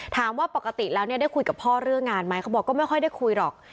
ถามว่าปกติแล้วเนี่ยได้คุยกับพ่อเรื่องงานไหมเขาบอกก็ไม่ค่อยได้คุยหรอก